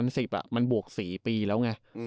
น่ะมันบวก๔ปีแล้วไง